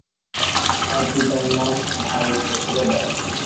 তার পিতার নাম ভাই মথুরা দাস।